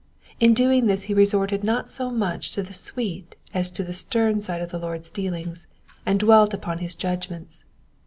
In doing this he resorted not so much to the sweet as to the stern side of the Lord's dealings, and dwelt upon his judgments.